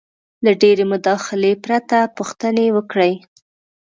-له ډېرې مداخلې پرته پوښتنې وکړئ: